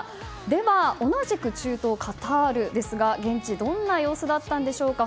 では、同じく中東カタールですが現地どんな様子だったんでしょうか。